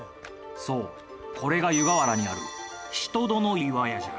そうこれが湯河原にあるしとどの窟じゃ。